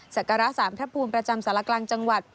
ศักรสามทรัพพูมประจำสารกลางจังหวัด